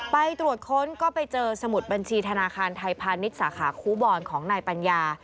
ไปตรวจค้นก็ไปเจอสมุดบัญชีธนาคารไทยพาณิชย์สาขาคูบอลของนายปัญญา